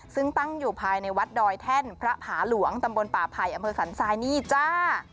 ซึ่งตั้งอยู่ภายในวัดดอยแท่นพระผาหลวงตำบลป่าไผ่อำเภอสันทรายนี่จ้า